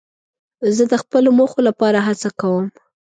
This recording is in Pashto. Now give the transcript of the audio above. زه د خپلو موخو لپاره هڅه کوم.